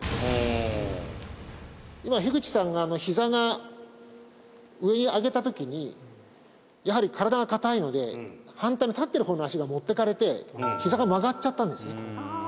今樋口さんがひざが上に上げた時にやはり身体が硬いので反対の立ってる方の足が持っていかれてひざが曲がっちゃったんですね